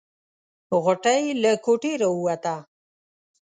غوټۍ له کوټې راووته.